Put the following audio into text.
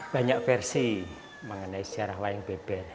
banyak versi mengenai sejarah wayang beber